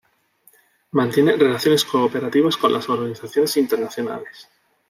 Mantiene relaciones cooperativas con las organizaciones internacionales.